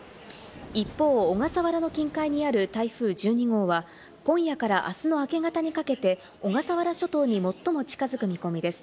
一方、小笠原の近海にある台風１２号は、今夜からあすの明け方にかけて小笠原諸島に最も近づく見込みです。